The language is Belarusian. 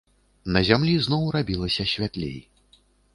На зямлі зноў рабілася святлей.